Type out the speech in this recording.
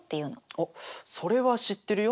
あっそれは知ってるよ。